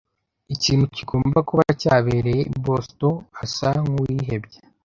Ikintu kigomba kuba cyabereye i Boston. asa nkuwihebye.